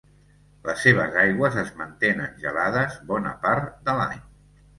Les seves aigües es mantenen gelades bona part de l'any.